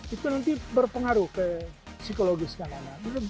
itu nanti berpengaruh ke psikologi sekarang